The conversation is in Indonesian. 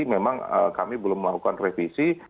memang kami belum melakukan revisi